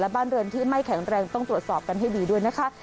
บ้านเรือนที่ไม่แข็งแรงต้องตรวจสอบกันให้ดีด้วยนะคะ